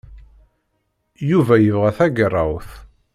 Yuba yebɣa tagerrawt.